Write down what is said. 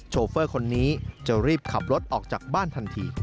โฟคนนี้จะรีบขับรถออกจากบ้านทันที